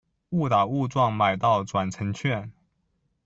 误打误撞买到转乘券